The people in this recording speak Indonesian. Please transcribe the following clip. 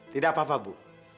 tidak apa apa bu